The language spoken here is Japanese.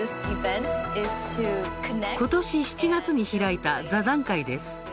今年７月に開いた座談会です。